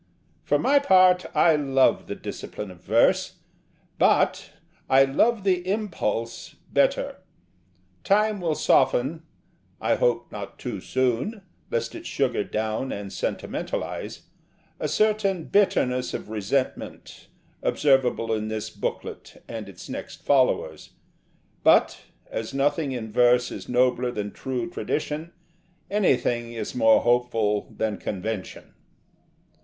For my part, I love the discipline of verse: but I love the impulse better. Time will soften I hope not too soon, lest it sugar down and sentimentalise a certain bitterness of resentment observable in this booklet and its next followers: but, as nothing in verse is nobler than true tradition, anything is more hopeful than convention.